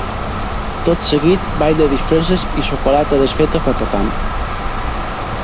Tot seguit, ball de disfresses i xocolata desfeta per a tothom.